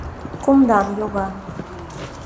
Кумдан йога